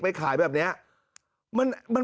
ไปขายแบบเนี้ยมัน